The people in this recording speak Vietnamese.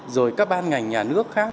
rồi các ban ngành nhà nước khác